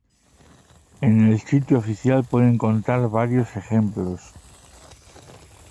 En el Sitio Oficial puede encontrar varios ejemplos.